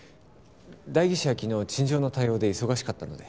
代議士は昨日陳情の対応で忙しかったので。